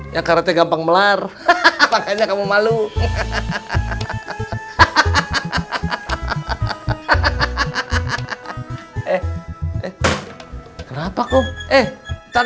dua ribu tiga yang karena gampang melar hahaha makanya kamu malu hahaha hahaha hahaha eh eh kenapa